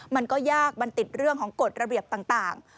มันก็ยากมันติดเรื่องของกฎระเบียบต่าง